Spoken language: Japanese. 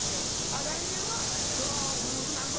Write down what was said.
あっ来年はそのグループ何とかに。